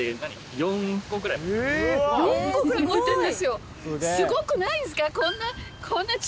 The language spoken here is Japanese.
４個ぐらい持ってるんですよ！